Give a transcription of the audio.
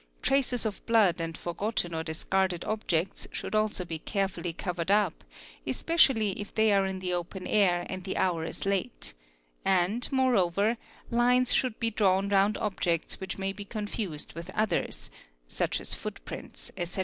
'Traces of blood and forgotten or discarded objects should also be carefully covered up, especially if they are in the open air and the hour is late, and, moreover, lines should be drawn round objects which may be con if used with others (such as foot prints, etc.).